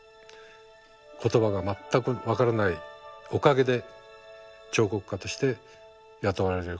言葉が全く分からないおかげで彫刻家として雇われることになりました。